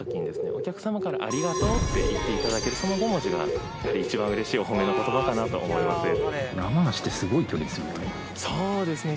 お客様から「ありがとう」って言っていただけるその５文字がやはり一番嬉しいお褒めの言葉かなと思いますそうですね